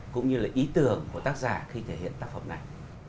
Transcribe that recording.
cũng như là ý tưởng của tác giả khi thể hiện tác phẩm này